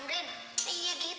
pahlawan nasional dari betawi siapa